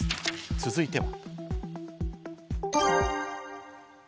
続いては。